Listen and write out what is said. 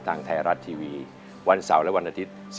ทางไทยรัฐทีวีวันเสาร์และวันอาทิตย์